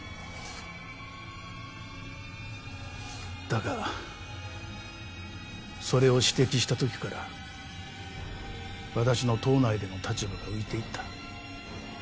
だがそれを指摘した時から私の党内での立場が浮いていった。